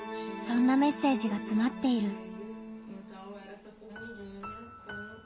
そんなメッセージがつまっている。